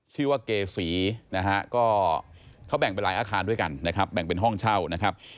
ชื่อว่าเกษีนะฮะก็เขาแบ่งเป็นหลายอาคารด้วยกันนะครับแบ่งเป็นห้องเช่านะครับ